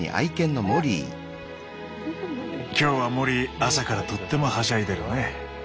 今日はモリー朝からとってもはしゃいでるね。